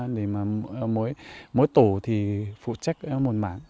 để mà mỗi tổ thì phụ trách một mảng